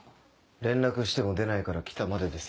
連絡しても出ないから来たまでです。